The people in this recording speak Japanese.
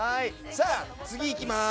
次いきます。